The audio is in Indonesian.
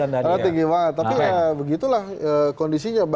tapi ya begitulah kondisinya